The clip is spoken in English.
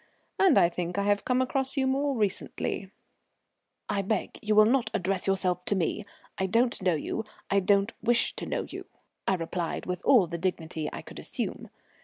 And I think I have come across you more recently." "I beg you will not address yourself to me. I don't know you, I don't wish to know you," I replied, with all the dignity I could assume.